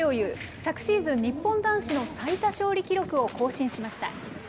昨シーズン、日本男子の最多勝利記録を更新しました。